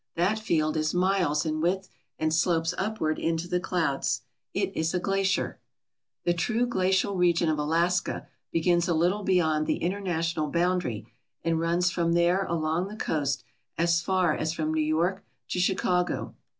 That field is miles in width and slopes upward into the clouds. It is a glacier. The true glacial region of Alaska begins a little beyond the international boundary and runs from there along the coast as far as from New York to Chicago.